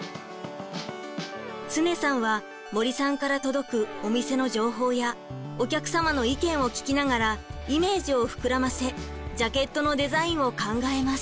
常さんは森さんから届くお店の情報やお客様の意見を聞きながらイメージを膨らませジャケットのデザインを考えます。